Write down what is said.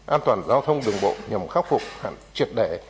an toàn giao thông đường bộ nhằm khắc phục triệt đẻ